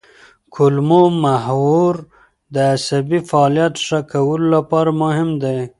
کولمو محور د عصبي فعالیت ښه کولو لپاره مهم دی.